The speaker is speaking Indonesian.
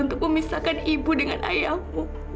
untuk memisahkan ibu dengan ayahmu